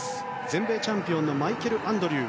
全米チャンピオンのマイケル・アンドリュー。